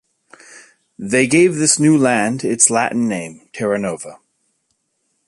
They gave this "new land" its Latin name "Terranova".